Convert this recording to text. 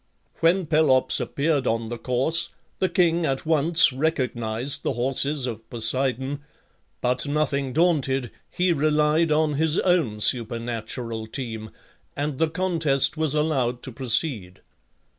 When Pelops appeared on the course, the king at once recognized the horses of Poseidon; but, nothing daunted, he relied on his own supernatural team, and the contest was allowed to proceed.